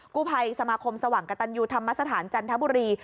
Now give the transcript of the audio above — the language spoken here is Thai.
กู้ภัยสมาคมสว่างกระตันยูธรรมสถานจันทบุรี